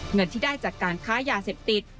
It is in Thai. เงินที่ได้จากการค้ายาเสพติด